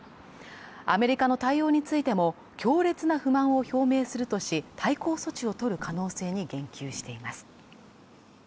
アメリカの対応についても、強烈な不満を表明するとし、対抗措置を取る可能性に言及しています。